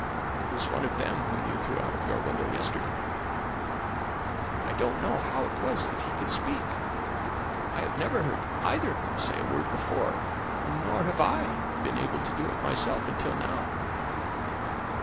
It was one of them whom you threw out of your window yesterday. "I don't know how it was that he could speak I have never heard either of them say a word before, nor have I been able to do it myself until now."